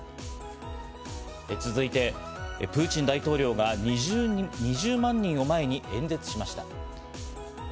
続いてプーチン大統領が２０万人を前に演説しました。